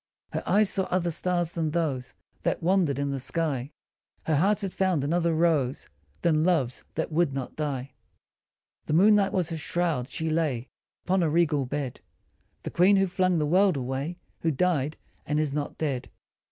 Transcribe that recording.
Her eyes saw other stars than those That wondered in the sky ; Her heart had found another rose Than love's, that would not die. The moonlight was her shroud, she lay Upon a regal bed The Queen who flung the world away, Who died and is not dead.